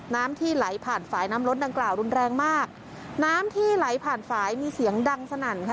น้ำที่ไหลผ่านฝ่ายน้ำลดดังกล่าวรุนแรงมากน้ำที่ไหลผ่านฝ่ายมีเสียงดังสนั่นค่ะ